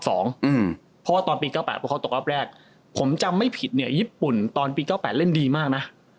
เพราะว่าตอนปี๙๘พวกเขาตกรอบแรกผมจำไม่ผิดเนี่ยญี่ปุ่นตอนปี๙๘เล่นดีมากนะ